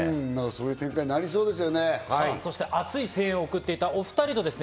そういうことになりそうです